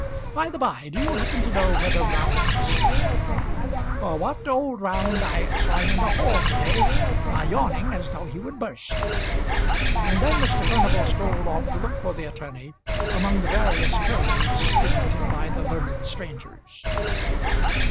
By the by, do you happen to know whether Round is here?" "What, old Round? I saw him in the hall to day yawning as though he would burst." And then Mr. Furnival strolled off to look for the attorney among the various purlieus frequented by the learned strangers.